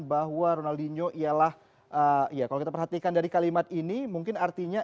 bahwa ronaldinho ialah ya kalau kita perhatikan dari kalimat ini mungkin artinya